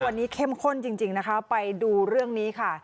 วันนี้เข้มข้นจริงนะคะไปดูเรื่องนี้ค่ะ